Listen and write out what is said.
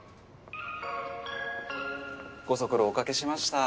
ご足労おかけしました。